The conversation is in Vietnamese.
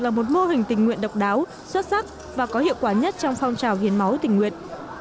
là một mô hình tình nguyện độc đáo xuất sắc và có hiệu quả nhất trong phong trào hiến máu tình nguyện